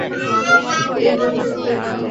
এই বন্দুকটা নাও।